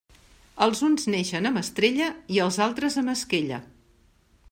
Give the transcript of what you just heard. Els uns neixen amb estrella, i els altres amb esquella.